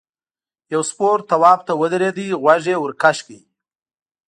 یو سپور تواب ته ودرېد غوږ یې ورکش کړ.